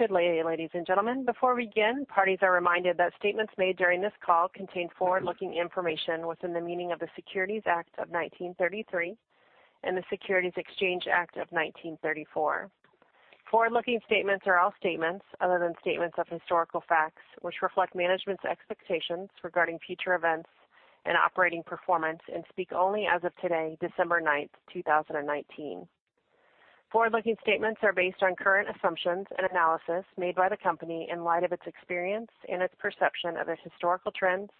Good day, ladies and gentlemen. Before we begin, parties are reminded that statements made during this call contain forward-looking information within the meaning of the Securities Act of 1933 and the Securities Exchange Act of 1934. Forward-looking statements are all statements other than statements of historical facts, which reflect management's expectations regarding future events and operating performance, and speak only as of today, December 9th, 2019. Forward-looking statements are based on current assumptions and analysis made by the company in light of its experience and its perception of its historical trends,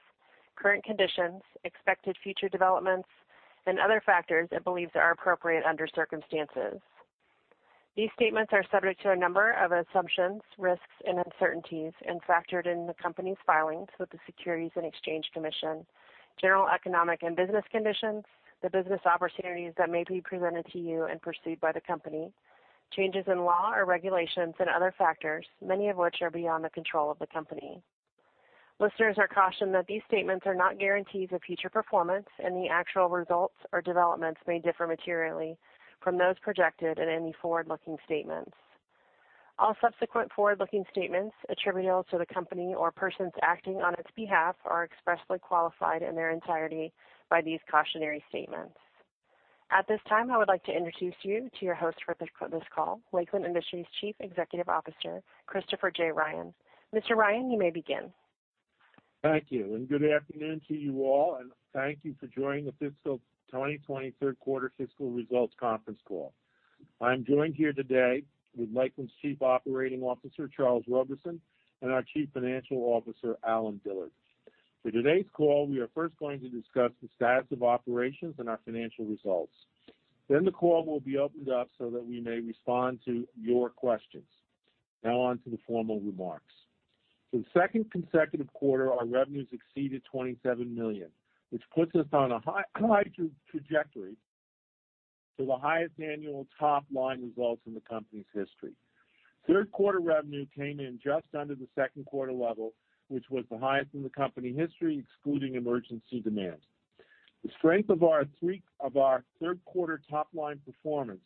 current conditions, expected future developments, and other factors it believes are appropriate under circumstances. These statements are subject to a number of assumptions, risks, and uncertainties, and factored in the company's filings with the Securities and Exchange Commission, general economic and business conditions, the business opportunities that may be presented to you and pursued by the company, changes in law or regulations and other factors, many of which are beyond the control of the company. Listeners are cautioned that these statements are not guarantees of future performance, and the actual results or developments may differ materially from those projected in any forward-looking statements. All subsequent forward-looking statements attributable to the company or persons acting on its behalf are expressly qualified in their entirety by these cautionary statements. At this time, I would like to introduce you to your host for this call, Lakeland Industries Chief Executive Officer, Christopher J. Ryan. Mr. Ryan, you may begin. Thank you, and good afternoon to you all, and thank you for joining the fiscal 2020 third quarter fiscal results conference call. I'm joined here today with Lakeland's Chief Operating Officer, Charles Roberson, and our Chief Financial Officer, Allen Dillard. For today's call, we are first going to discuss the status of operations and our financial results. The call will be opened up so that we may respond to your questions. Now on to the formal remarks. For the second consecutive quarter, our revenues exceeded $27 million, which puts us on a high trajectory to the highest annual top-line results in the company's history. Third quarter revenue came in just under the second quarter level, which was the highest in the company history, excluding emergency demand. The strength of our third quarter top-line performance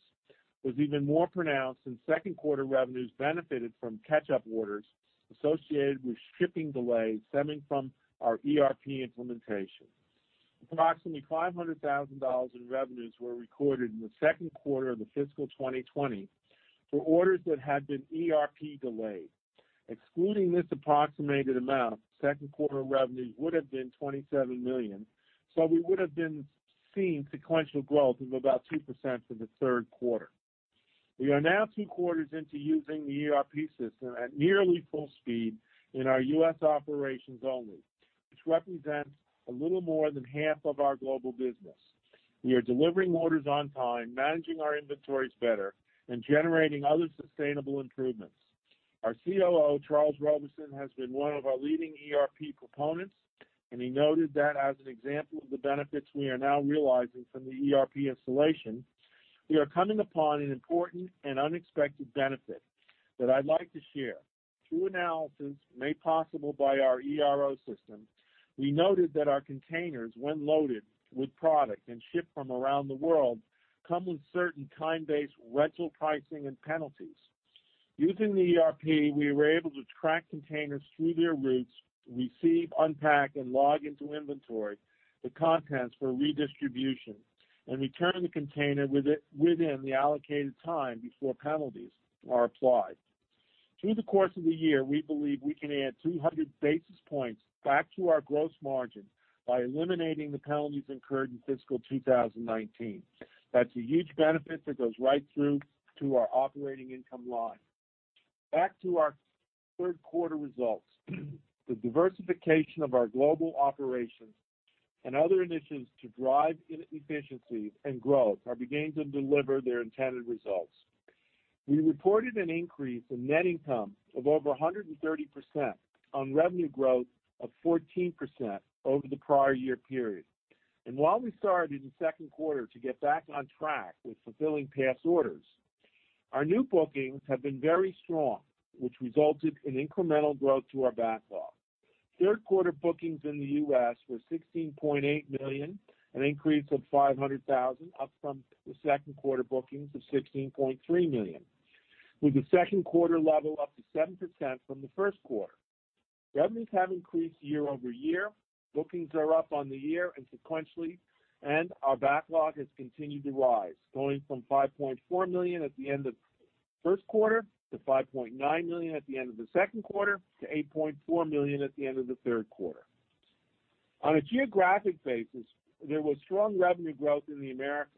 was even more pronounced, and second-quarter revenues benefited from catch-up orders associated with shipping delays stemming from our ERP implementation. Approximately $500,000 in revenues were recorded in the second quarter of the fiscal 2020 for orders that had been ERP delayed. Excluding this approximated amount, second quarter revenue would've been $27 million, so we would've been seeing sequential growth of about 2% for the third quarter. We are now two quarters into using the ERP system at nearly full speed in our U.S. operations only, which represents a little more than half of our global business. We are delivering orders on time, managing our inventories better, and generating other sustainable improvements. Our COO, Charles Roberson, has been one of our leading ERP proponents, and he noted that as an example of the benefits we are now realizing from the ERP installation. We are coming upon an important and unexpected benefit that I'd like to share. Through analysis made possible by our ERP system, we noted that our containers, when loaded with product and shipped from around the world, come with certain time-based rental pricing and penalties. Using the ERP, we were able to track containers through their routes, receive, unpack, and log into inventory the contents for redistribution, and return the container within the allocated time before penalties are applied. Through the course of the year, we believe we can add 200 basis points back to our gross margin by eliminating the penalties incurred in fiscal 2019. That's a huge benefit that goes right through to our operating income line. Back to our third quarter results. The diversification of our global operations and other initiatives to drive efficiency and growth are beginning to deliver their intended results. We reported an increase in net income of over 130% on revenue growth of 14% over the prior year period. While we started in the second quarter to get back on track with fulfilling past orders, our new bookings have been very strong, which resulted in incremental growth to our backlog. Third quarter bookings in the U.S. were $16.8 million, an increase of $500,000 up from the second quarter bookings of $16.3 million, with the second quarter level up to 7% from the first quarter. Revenues have increased year-over-year. Bookings are up on the year and sequentially, our backlog has continued to rise, going from $5.4 million at the end of the first quarter to $5.9 million at the end of the second quarter to $8.4 million at the end of the third quarter. On a geographic basis, there was strong revenue growth in the Americas,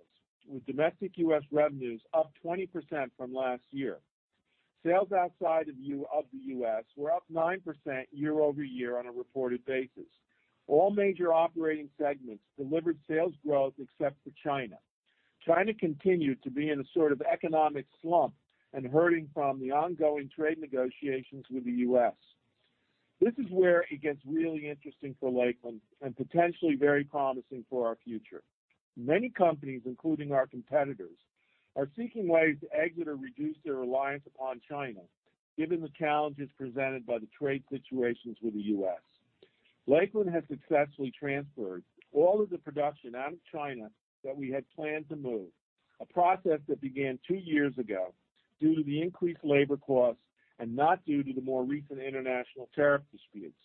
with domestic U.S. revenues up 20% from last year. Sales outside of the U.S. were up 9% year-over-year on a reported basis. All major operating segments delivered sales growth except for China. China continued to be in a sort of economic slump and hurting from the ongoing trade negotiations with the U.S. This is where it gets really interesting for Lakeland and potentially very promising for our future. Many companies, including our competitors, are seeking ways to exit or reduce their reliance upon China, given the challenges presented by the trade situations with the U.S. Lakeland has successfully transferred all of the production out of China that we had planned to move, a process that began two years ago due to the increased labor costs and not due to the more recent international tariff disputes.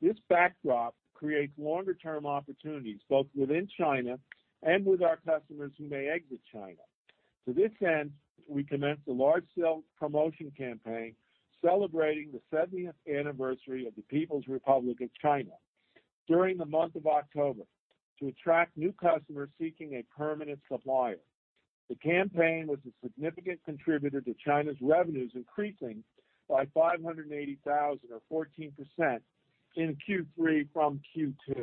This backdrop creates longer-term opportunities both within China and with our customers who may exit China. To this end, we commenced a large sales promotion campaign celebrating the 70th anniversary of the People's Republic of China during the month of October to attract new customers seeking a permanent supplier. The campaign was a significant contributor to China's revenues increasing by $580,000 or 14% in Q3 from Q2,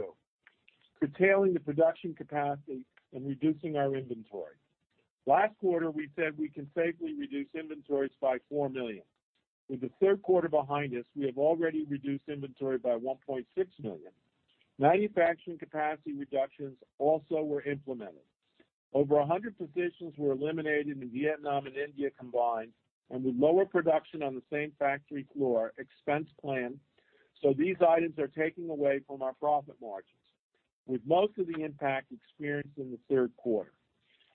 curtailing the production capacity and reducing our inventory. Last quarter, we said we can safely reduce inventories by $4 million. With the third quarter behind us, we have already reduced inventory by $1.6 million. Manufacturing capacity reductions also were implemented. Over 100 positions were eliminated in Vietnam and India combined, and with lower production on the same factory floor expense plan, so these items are taking away from our profit margins, with most of the impact experienced in the third quarter.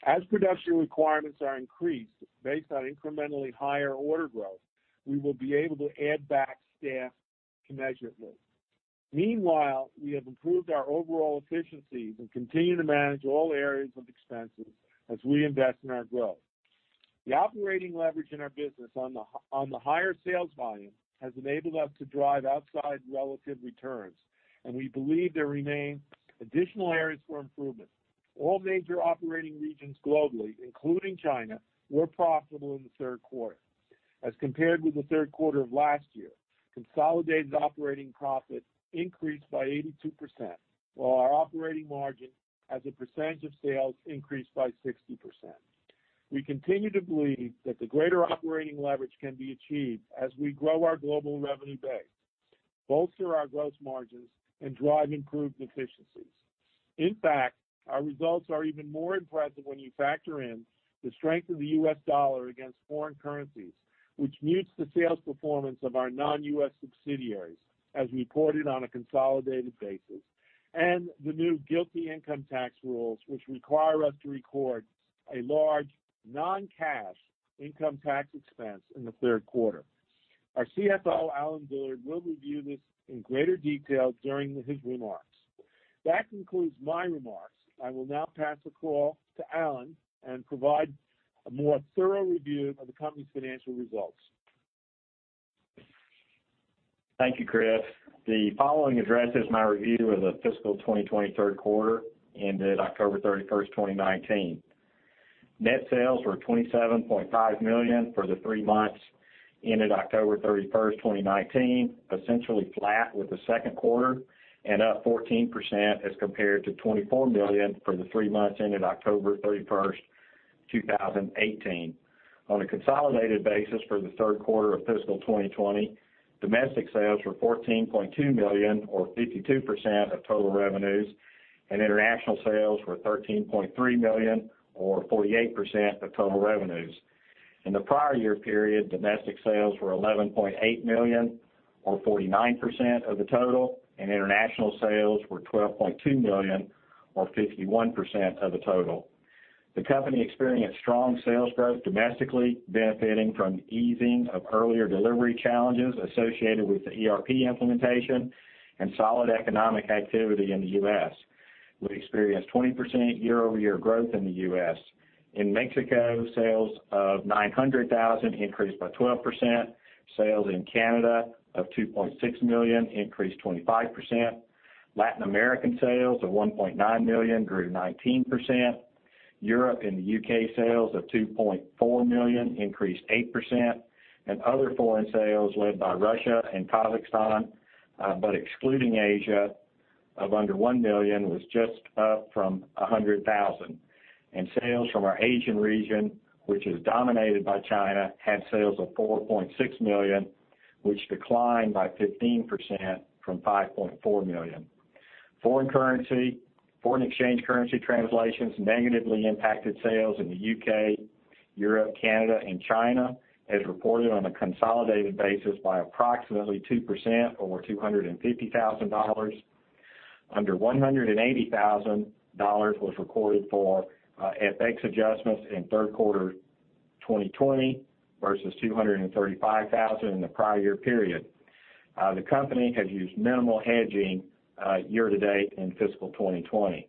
As production requirements are increased based on incrementally higher order growth, we will be able to add back staff commensurately. Meanwhile, we have improved our overall efficiencies and continue to manage all areas of expenses as we invest in our growth. The operating leverage in our business on the higher sales volume has enabled us to drive outside relative returns, and we believe there remain additional areas for improvement. All major operating regions globally, including China, were profitable in the third quarter. As compared with the third quarter of last year, consolidated operating profit increased by 82%, while our operating margin as a percentage of sales increased by 60%. We continue to believe that the greater operating leverage can be achieved as we grow our global revenue base, bolster our gross margins, and drive improved efficiencies. In fact, our results are even more impressive when you factor in the strength of the U.S. dollar against foreign currencies, which mutes the sales performance of our non-U.S. subsidiaries as reported on a consolidated basis, and the new GILTI income tax rules, which require us to record a large non-cash income tax expense in the third quarter. Our CFO, Allen Dillard, will review this in greater detail during his remarks. That concludes my remarks. I will now pass the call to Allen and provide a more thorough review of the company's financial results. Thank you, Chris. The following addresses my review of the fiscal 2020 third quarter ended October 31st, 2019. Net sales were $27.5 million for the 3 months ended October 31st, 2019, essentially flat with the second quarter and up 14% as compared to $24 million for the 3 months ended October 31st, 2018. On a consolidated basis for the third quarter of fiscal 2020, domestic sales were $14.2 million or 52% of total revenues, and international sales were $13.3 million or 48% of total revenues. In the prior year period, domestic sales were $11.8 million or 49% of the total and international sales were $12.2 million or 51% of the total. The company experienced strong sales growth domestically, benefiting from the easing of earlier delivery challenges associated with the ERP implementation and solid economic activity in the U.S. We experienced 20% year-over-year growth in the U.S. In Mexico, sales of $900,000 increased by 12%. Sales in Canada of $2.6 million increased 25%. Latin American sales of $1.9 million grew 19%. Europe and the U.K. sales of $2.4 million increased 8%, Other foreign sales led by Russia and Kazakhstan, but excluding Asia, of under $1 million was just up from $100,000. Sales from our Asian region, which is dominated by China, had sales of $4.6 million, which declined by 15% from $5.4 million. Foreign exchange currency translations negatively impacted sales in the U.K., Europe, Canada, and China as reported on a consolidated basis by approximately 2% or $250,000. Under $180,000 was recorded for FX adjustments in third quarter 2020 versus $235,000 in the prior year period. The company has used minimal hedging year to date in fiscal 2020.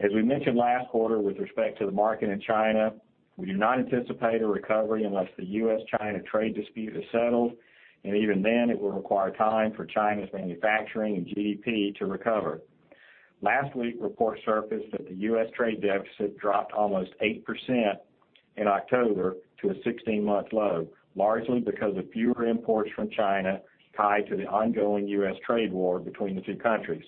As we mentioned last quarter with respect to the market in China, we do not anticipate a recovery unless the U.S.-China trade dispute is settled, and even then, it will require time for China's manufacturing and GDP to recover. Last week, reports surfaced that the U.S. trade deficit dropped almost 8% in October to a 16-month low, largely because of fewer imports from China tied to the ongoing U.S. trade war between the two countries.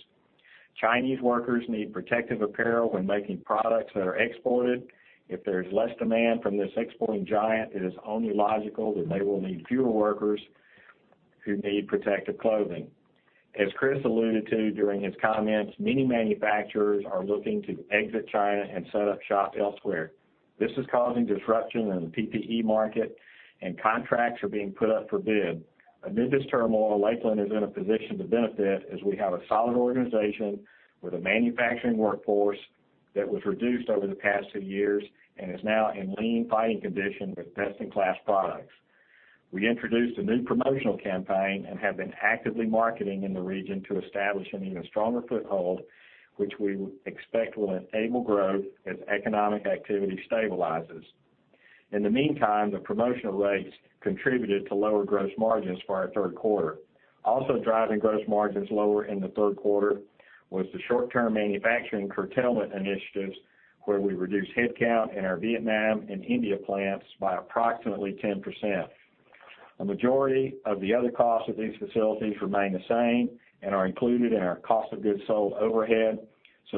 Chinese workers need protective apparel when making products that are exported. If there's less demand from this exporting giant, it is only logical that they will need fewer workers who need protective clothing. As Chris alluded to during his comments, many manufacturers are looking to exit China and set up shop elsewhere. This is causing disruption in the PPE market and contracts are being put up for bid. Amid this turmoil, Lakeland is in a position to benefit as we have a solid organization with a manufacturing workforce that was reduced over the past two years and is now in lean fighting condition with best-in-class products. We introduced a new promotional campaign and have been actively marketing in the region to establish an even stronger foothold, which we expect will enable growth as economic activity stabilizes. In the meantime, the promotional rates contributed to lower gross margins for our third quarter. Driving gross margins lower in the third quarter was the short-term manufacturing curtailment initiatives, where we reduced headcount in our Vietnam and India plants by approximately 10%. A majority of the other costs of these facilities remain the same and are included in our cost of goods sold overhead,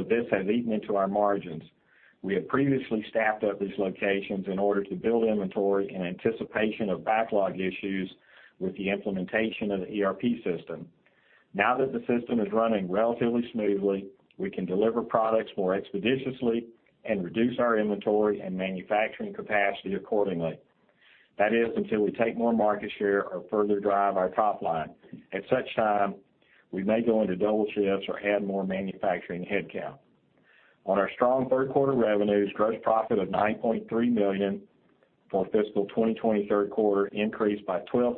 this has eaten into our margins. We have previously staffed up these locations in order to build inventory in anticipation of backlog issues with the implementation of the ERP system. Now that the system is running relatively smoothly, we can deliver products more expeditiously and reduce our inventory and manufacturing capacity accordingly. That is, until we take more market share or further drive our top line. At such time, we may go into double shifts or add more manufacturing headcount. On our strong third quarter revenues, gross profit of $9.3 million for fiscal 2020 third quarter increased by 12%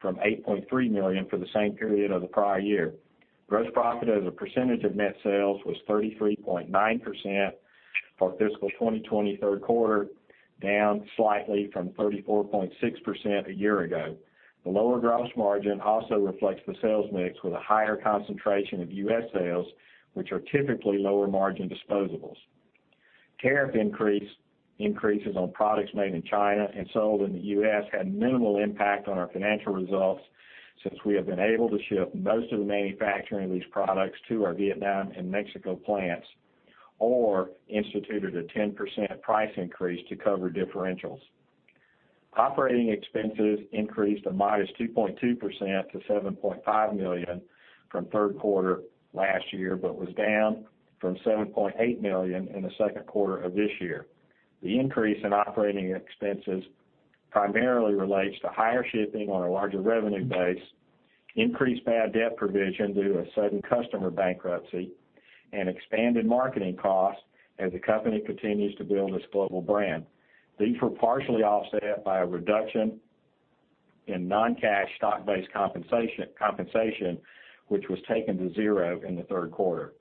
from $8.3 million for the same period of the prior year. Gross profit as a percentage of net sales was 33.9% for fiscal 2020 third quarter, down slightly from 34.6% a year ago. The lower gross margin also reflects the sales mix with a higher concentration of U.S. sales, which are typically lower margin disposables. Tariff increases on products made in China and sold in the U.S. had minimal impact on our financial results since we have been able to shift most of the manufacturing of these products to our Vietnam and Mexico plants or instituted a 10% price increase to cover differentials. Operating expenses increased a modest 2.2% to $7.5 million from third quarter last year, but was down from $7.8 million in the second quarter of this year. The increase in operating expenses primarily relates to higher shipping on a larger revenue base, increased bad debt provision due to a sudden customer bankruptcy, and expanded marketing costs as the company continues to build its global brand. These were partially offset by a reduction in non-cash stock-based compensation which was taken to zero in the third quarter.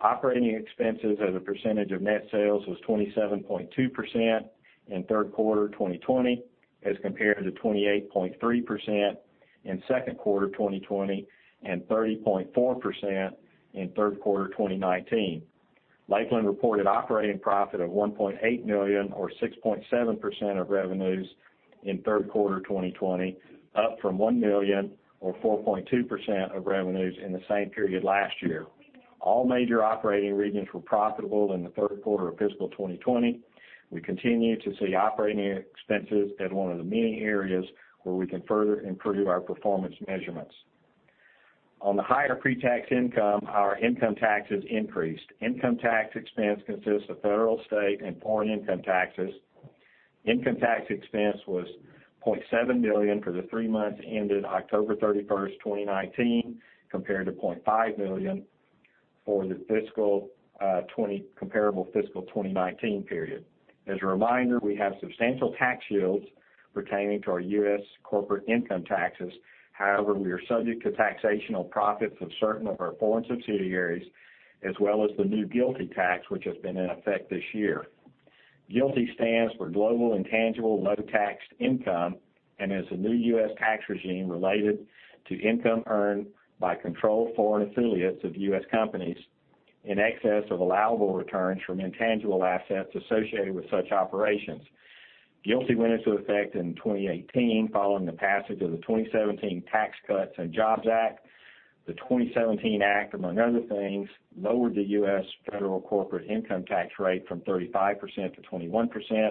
Operating expenses as a percentage of net sales was 27.2% in third quarter 2020 as compared to 28.3% in second quarter 2020 and 30.4% in third quarter 2019. Lakeland reported operating profit of $1.8 million or 6.7% of revenues in third quarter 2020, up from $1 million or 4.2% of revenues in the same period last year. All major operating regions were profitable in the third quarter of fiscal 2020. We continue to see operating expenses as one of the many areas where we can further improve our performance measurements. On the higher pre-tax income, our income taxes increased. Income tax expense consists of federal, state, and foreign income taxes. Income tax expense was $0.7 million for the three months ended October 31st, 2019, compared to $0.5 million for the comparable fiscal 2019 period. As a reminder, we have substantial tax shields pertaining to our U.S. corporate income taxes. We are subject to taxational profits of certain of our foreign subsidiaries, as well as the new GILTI tax which has been in effect this year. GILTI stands for Global Intangible Low-Taxed Income, and is a new U.S. tax regime related to income earned by controlled foreign affiliates of U.S. companies in excess of allowable returns from intangible assets associated with such operations. GILTI went into effect in 2018 following the passage of the 2017 Tax Cuts and Jobs Act. The 2017 act, among other things, lowered the U.S. federal corporate income tax rate from 35% to 21%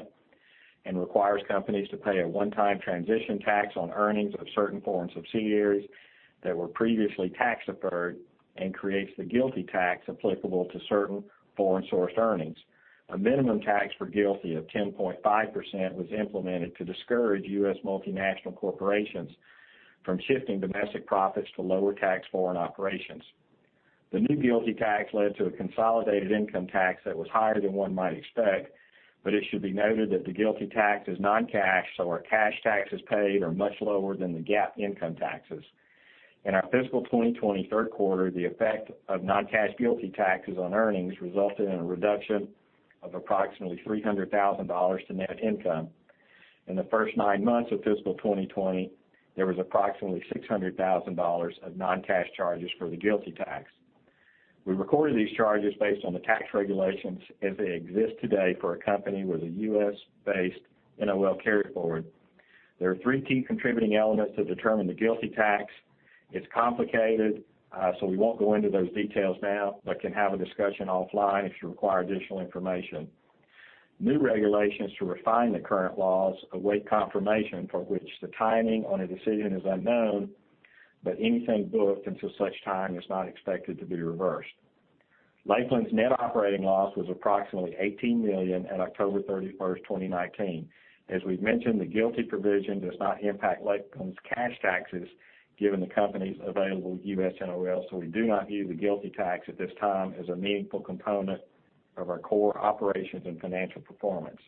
and requires companies to pay a one-time transition tax on earnings of certain foreign subsidiaries that were previously tax-deferred and creates the GILTI tax applicable to certain foreign-sourced earnings. A minimum tax for GILTI of 10.5% was implemented to discourage U.S. multinational corporations from shifting domestic profits to lower-tax foreign operations. The new GILTI tax led to a consolidated income tax that was higher than one might expect. It should be noted that the GILTI tax is non-cash. Our cash taxes paid are much lower than the GAAP income taxes. In our fiscal 2020 third quarter, the effect of non-cash GILTI taxes on earnings resulted in a reduction of approximately $300,000 to net income. In the first nine months of fiscal 2020, there was approximately $600,000 of non-cash charges for the GILTI tax. We recorded these charges based on the tax regulations as they exist today for a company with a U.S.-based NOL carry-forward. There are three key contributing elements that determine the GILTI tax. It's complicated. We won't go into those details now, can have a discussion offline if you require additional information. New regulations to refine the current laws await confirmation for which the timing on a decision is unknown. Anything booked until such time is not expected to be reversed. Lakeland's net operating loss was approximately $18 million at October 31st, 2019. As we've mentioned, the GILTI provision does not impact Lakeland's cash taxes, given the company's available U.S. NOLs, so we do not view the GILTI tax at this time as a meaningful component of our core operations and financial performance.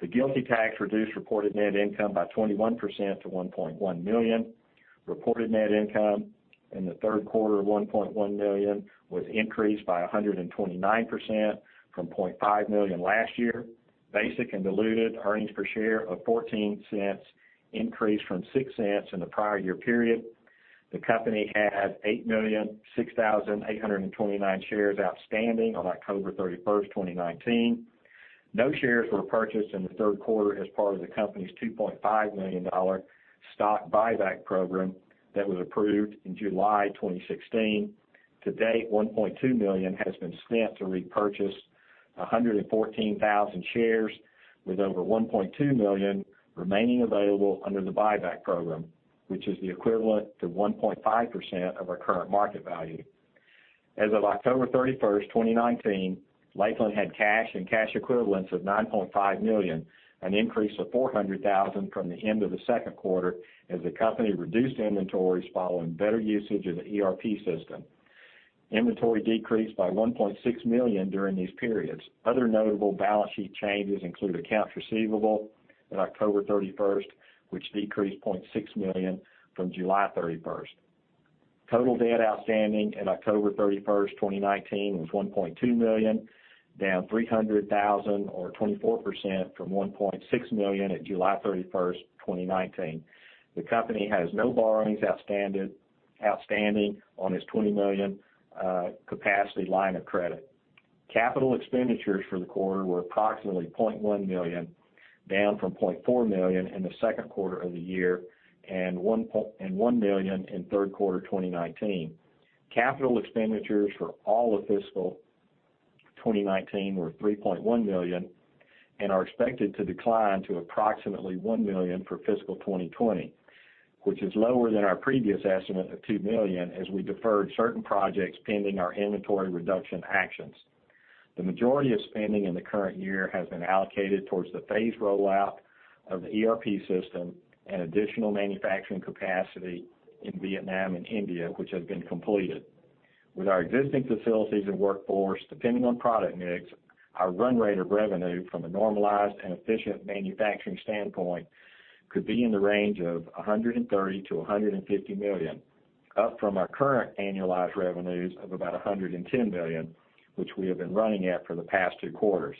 The GILTI tax reduced reported net income by 21% to $1.1 million. Reported net income in the third quarter of $1.1 million was increased by 129% from $0.5 million last year. Basic and diluted earnings per share of $0.14 increased from $0.06 in the prior year period. The company had 8,006,829 shares outstanding on October 31st, 2019. No shares were purchased in the third quarter as part of the company's $2.5 million stock buyback program that was approved in July 2016. To date, $1.2 million has been spent to repurchase 114,000 shares with over $1.2 million remaining available under the buyback program, which is the equivalent to 1.5% of our current market value. As of October 31st, 2019, Lakeland had cash and cash equivalents of $9.5 million, an increase of $400,000 from the end of the second quarter as the company reduced inventories following better usage of the ERP system. Inventory decreased by $1.6 million during these periods. Other notable balance sheet changes include accounts receivable at October 31st, which decreased $0.6 million from July 31st. Total debt outstanding at October 31st, 2019, was $1.2 million, down $300,000 or 24% from $1.6 million at July 31st, 2019. The company has no borrowings outstanding on its $20 million capacity line of credit. Capital expenditures for the quarter were approximately $0.1 million, down from $0.4 million in the second quarter of the year and $1 million in third quarter 2019. Capital expenditures for all of fiscal 2019 were $3.1 million and are expected to decline to approximately $1 million for fiscal 2020, which is lower than our previous estimate of $2 million as we deferred certain projects pending our inventory reduction actions. The majority of spending in the current year has been allocated towards the phased rollout of the ERP system and additional manufacturing capacity in Vietnam and India, which has been completed. With our existing facilities and workforce, depending on product mix, our run rate of revenue from a normalized and efficient manufacturing standpoint could be in the range of $130 million-$150 million, up from our current annualized revenues of about $110 million, which we have been running at for the past two quarters.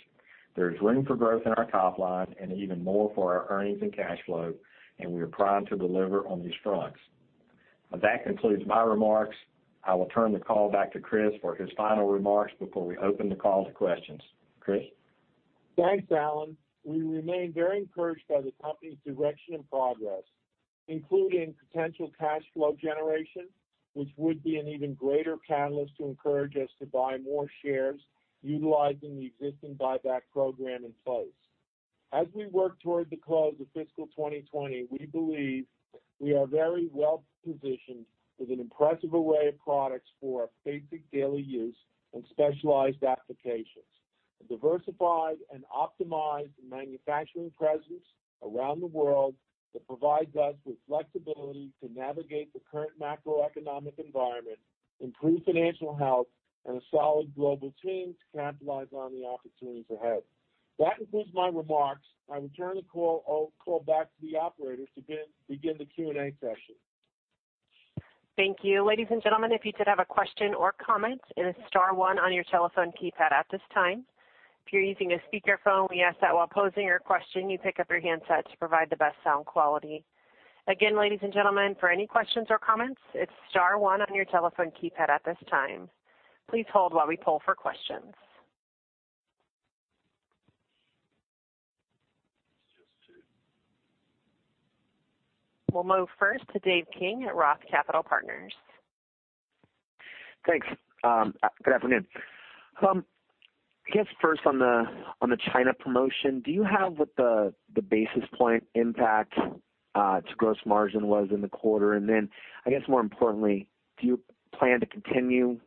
There is room for growth in our top line and even more for our earnings and cash flow, and we are primed to deliver on these fronts. That concludes my remarks. I will turn the call back to Chris for his final remarks before we open the call to questions. Chris? Thanks, Allen. We remain very encouraged by the company's direction and progress, including potential cash flow generation, which would be an even greater catalyst to encourage us to buy more shares utilizing the existing buyback program in place. As we work toward the close of fiscal 2020, we believe we are very well positioned with an impressive array of products for our basic daily use and specialized applications. A diversified and optimized manufacturing presence around the world that provides us with flexibility to navigate the current macroeconomic environment, improve financial health, and a solid global team to capitalize on the opportunities ahead. That concludes my remarks. I will turn the call back to the operator to begin the Q&A session. Thank you. Ladies and gentlemen, if you did have a question or comment, it is star one on your telephone keypad at this time. If you're using a speakerphone, we ask that while posing your question, you pick up your handset to provide the best sound quality. Again, ladies and gentlemen, for any questions or comments, it's star one on your telephone keypad at this time. Please hold while we poll for questions. We'll move first to David King at ROTH Capital Partners. Thanks. Good afternoon. I guess first on the China promotion, do you have what the basis point impact to gross margin was in the quarter? Then, I guess more importantly, do you plan to continue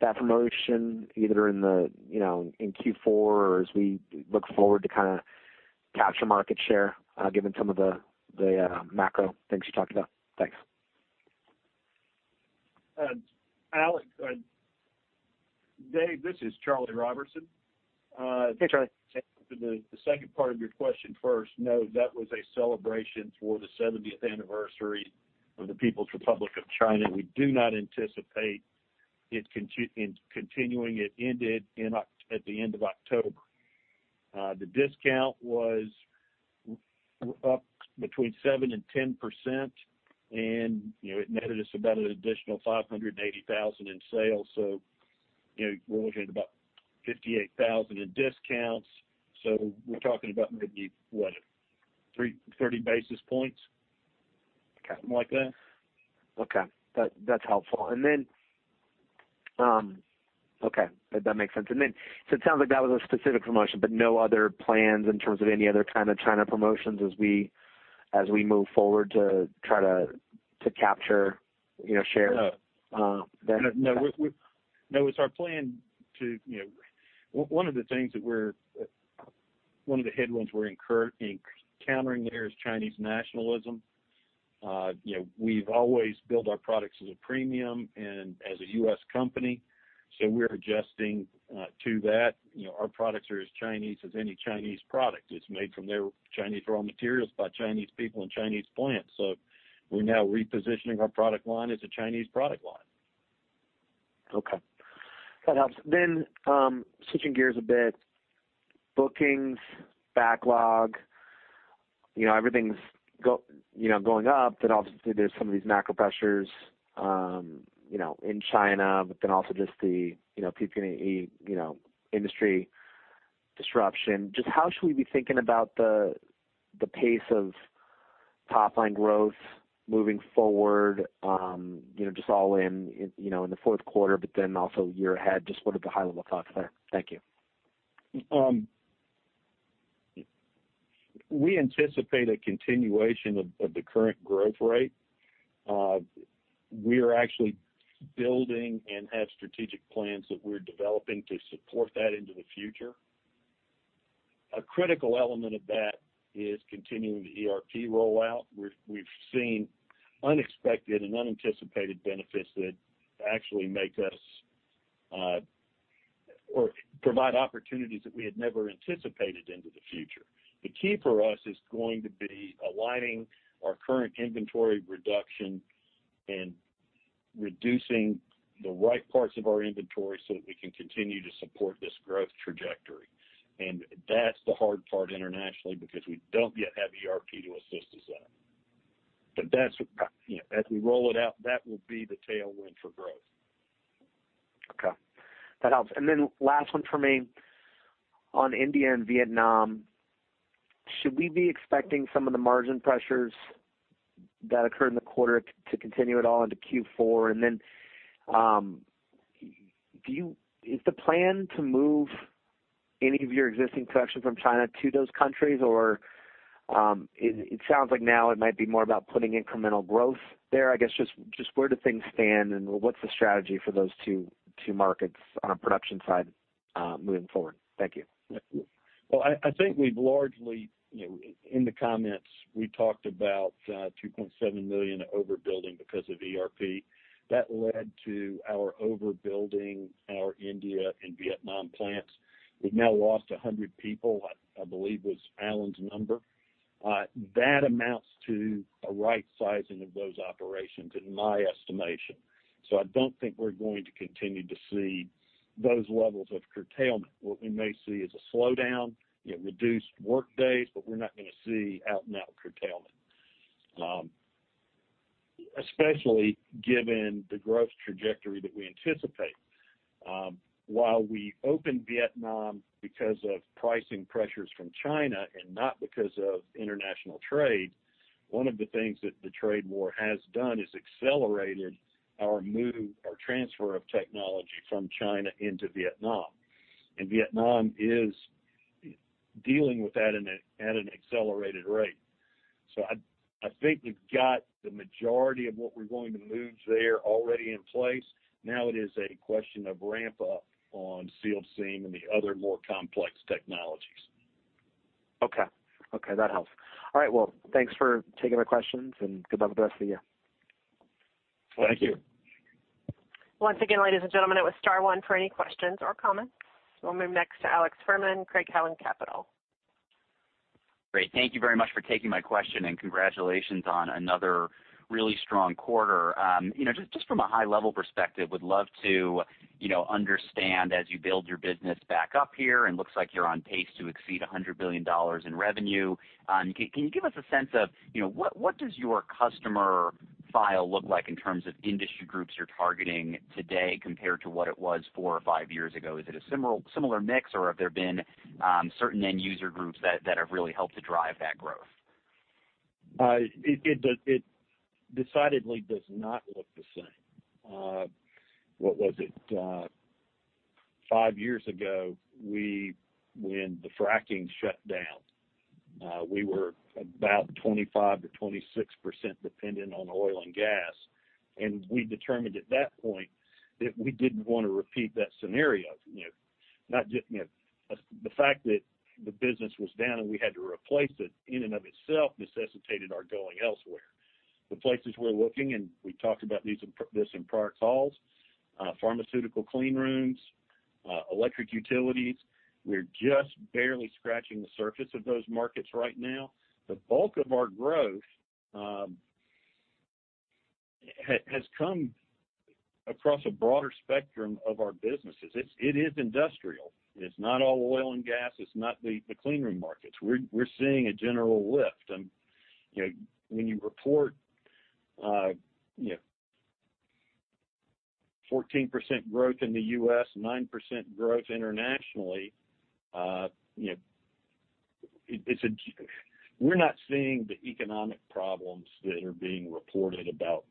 that promotion either in Q4 or as we look forward to kind of capture market share given some of the macro things you talked about? Thanks. Dave, this is Charlie Roberson. Hey, Charlie. The second part of your question first, no, that was a celebration for the 70th anniversary of the People's Republic of China. We do not anticipate it continuing. It ended at the end of October. The discount was up between 7% and 10%, and it netted us about an additional $580,000 in sales. So we're looking at about $58,000 in discounts. So we're talking about maybe, what, 30 basis points? Something like that. Okay. That's helpful. Okay. That makes sense. It sounds like that was a specific promotion, but no other plans in terms of any other kind of China promotions as we move forward to try to capture shares there? No. One of the headwinds we're encountering there is Chinese nationalism. We've always built our products as a premium and as a U.S. company. We're adjusting to that. Our products are as Chinese as any Chinese product. It's made from their Chinese raw materials by Chinese people in Chinese plants. We're now repositioning our product line as a Chinese product line. Okay. That helps. Switching gears a bit. Bookings, backlog, everything's going up, but obviously there's some of these macro pressures in China, but then also just the PPE industry disruption. Just how should we be thinking about the pace of top-line growth moving forward, just all in the fourth quarter, but then also year ahead, just what are the high-level thoughts there? Thank you. We anticipate a continuation of the current growth rate. We are actually building and have strategic plans that we're developing to support that into the future. A critical element of that is continuing the ERP rollout. We've seen unexpected and unanticipated benefits that actually make us or provide opportunities that we had never anticipated into the future. The key for us is going to be aligning our current inventory reduction and reducing the right parts of our inventory so that we can continue to support this growth trajectory. That's the hard part internationally, because we don't yet have ERP to assist us in that. As we roll it out, that will be the tailwind for growth. Okay. That helps. Last one from me. On India and Vietnam, should we be expecting some of the margin pressures that occurred in the quarter to continue at all into Q4? Is the plan to move any of your existing production from China to those countries? It sounds like now it might be more about putting incremental growth there. I guess, just where do things stand and what's the strategy for those two markets on a production side moving forward? Thank you. Well, I think we've largely, in the comments, we talked about $2.7 million overbuilding because of ERP. That led to our overbuilding our India and Vietnam plants. We've now lost 100 people, I believe was Allen's number. That amounts to a right-sizing of those operations in my estimation. I don't think we're going to continue to see those levels of curtailment. What we may see is a slowdown in reduced workdays. We're not going to see out-and-out curtailment. Especially given the growth trajectory that we anticipate. We opened Vietnam because of pricing pressures from China and not because of international trade, one of the things that the trade war has done is accelerated our move, our transfer of technology from China into Vietnam. Vietnam is dealing with that at an accelerated rate. I think we've got the majority of what we're going to move there already in place. Now it is a question of ramp up on sealed seam and the other more complex technologies. Okay. That helps. All right. Well, thanks for taking my questions, and good luck with the rest of the year. Thank you. Once again, ladies and gentlemen, it was star one for any questions or comments. We'll move next to Alex Fuhrman, Craig-Hallum Capital. Great. Thank you very much for taking my question, and congratulations on another really strong quarter. Just from a high-level perspective, would love to understand as you build your business back up here, looks like you're on pace to exceed $100 billion in revenue. Can you give us a sense of what does your customer file look like in terms of industry groups you're targeting today compared to what it was four or five years ago? Is it a similar mix, or have there been certain end user groups that have really helped to drive that growth? It decidedly does not look the same. What was it? five years ago, when the fracking shut down, we were about 25%-26% dependent on oil and gas. We determined at that point that we didn't want to repeat that scenario. The fact that the business was down and we had to replace it, in and of itself, necessitated our going elsewhere. The places we're looking, and we talked about this in prior calls, pharmaceutical clean rooms, electric utilities. We're just barely scratching the surface of those markets right now. The bulk of our growth has come across a broader spectrum of our businesses. It is industrial. It's not all oil and gas. It's not the clean room markets. We're seeing a general lift. When you report 14% growth in the U.S., 9% growth internationally, you know We're not seeing the economic problems that are being reported about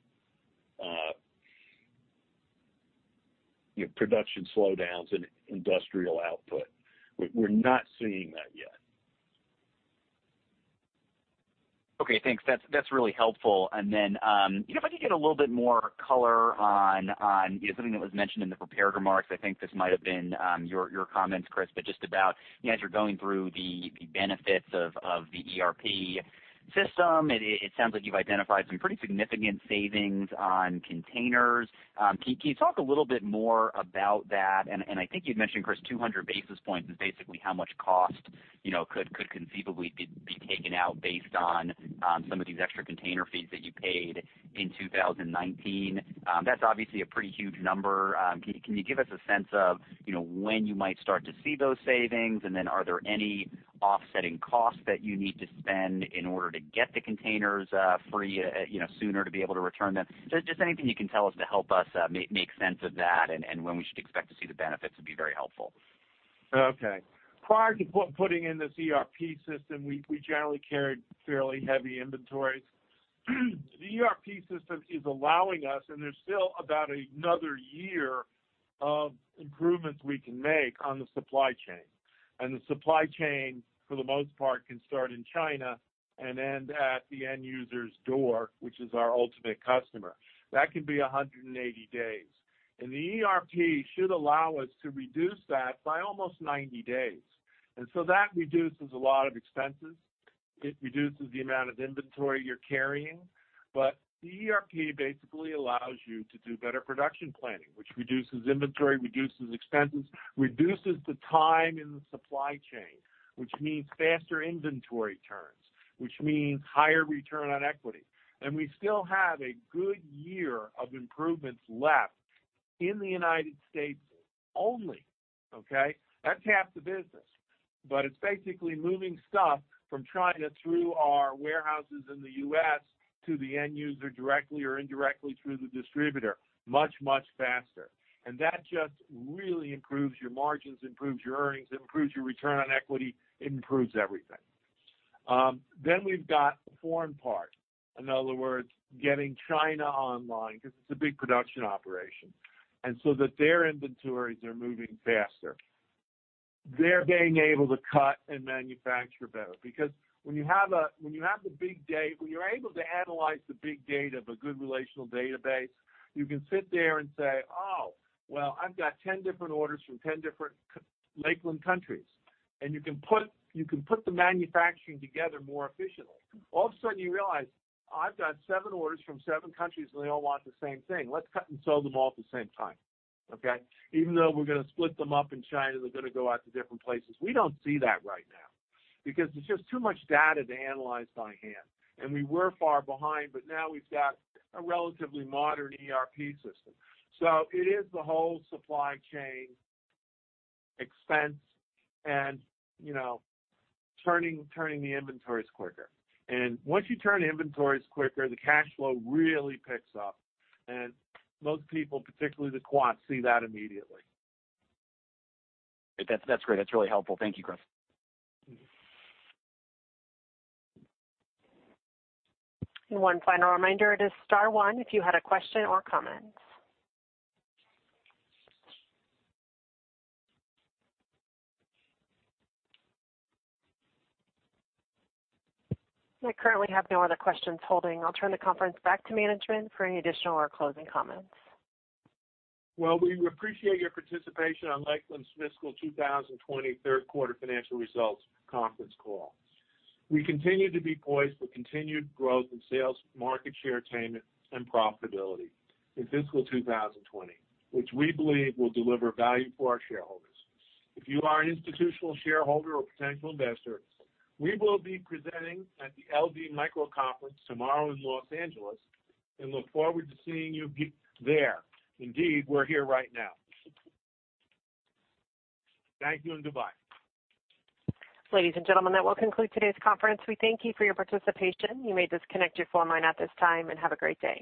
production slowdowns and industrial output. We're not seeing that yet. Okay, thanks. That's really helpful. If I could get a little bit more color on something that was mentioned in the prepared remarks, I think this might have been your comments, Chris, but just about as you're going through the benefits of the ERP system, it sounds like you've identified some pretty significant savings on containers. Can you talk a little bit more about that? I think you'd mentioned, Chris, 200 basis points is basically how much cost could conceivably be taken out based on some of these extra container fees that you paid in 2019. That's obviously a pretty huge number. Can you give us a sense of when you might start to see those savings? Are there any offsetting costs that you need to spend in order to get the containers free sooner to be able to return them? Just anything you can tell us to help us make sense of that and when we should expect to see the benefits would be very helpful. Okay. Prior to putting in this ERP system, we generally carried fairly heavy inventories. The ERP system is allowing us, there's still about another year of improvements we can make on the supply chain. The supply chain, for the most part, can start in China and end at the end user's door, which is our ultimate customer. That can be 180 days. The ERP should allow us to reduce that by almost 90 days. That reduces a lot of expenses. It reduces the amount of inventory you're carrying. The ERP basically allows you to do better production planning, which reduces inventory, reduces expenses, reduces the time in the supply chain, which means faster inventory turns, which means higher return on equity. We still have a good year of improvements left in the U.S. only. Okay? That's half the business, but it's basically moving stuff from China through our warehouses in the U.S. to the end user directly or indirectly through the distributor, much, much faster. That just really improves your margins, improves your earnings, improves your return on equity, improves everything. We've got the foreign part. In other words, getting China online, because it's a big production operation. Their inventories are moving faster. They're being able to cut and manufacture better. When you're able to analyze the big data of a good relational database, you can sit there and say, "Oh, well, I've got 10 different orders from 10 different Lakeland countries." You can put the manufacturing together more efficiently. All of a sudden you realize, I've got seven orders from seven countries, and they all want the same thing. Let's cut and sew them all at the same time. Okay? Even though we're going to split them up in China, they're going to go out to different places. We don't see that right now because it's just too much data to analyze by hand. We were far behind, but now we've got a relatively modern ERP system. It is the whole supply chain expense and turning the inventories quicker. Once you turn inventories quicker, the cash flow really picks up. Most people, particularly the quants, see that immediately. That's great. That's really helpful. Thank you, Chris. One final reminder, it is star one if you had a question or comment. I currently have no other questions holding. I'll turn the conference back to management for any additional or closing comments. Well, we appreciate your participation on Lakeland's fiscal 2020 third quarter financial results conference call. We continue to be poised for continued growth in sales, market share attainment, and profitability in fiscal 2020, which we believe will deliver value for our shareholders. If you are an institutional shareholder or potential investor, we will be presenting at the LD Micro conference tomorrow in Los Angeles and look forward to seeing you there. Indeed, we're here right now. Thank you and goodbye. Ladies and gentlemen, that will conclude today's conference. We thank you for your participation. You may disconnect your phone line at this time, and have a great day.